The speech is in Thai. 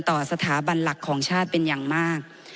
ต่อสถาบันหลักของชาติเป็นอย่างมาก